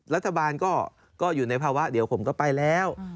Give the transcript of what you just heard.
รัฐบาลก็อยู่ในภาวะเดี๋ยวผมก็ไปแล้ว